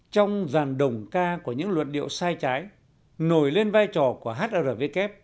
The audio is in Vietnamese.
trong dàn đồng ca của những luật điệu sai trái nổi lên vai trò của hrwk